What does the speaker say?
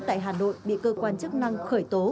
tại hà nội bị cơ quan chức năng khởi tố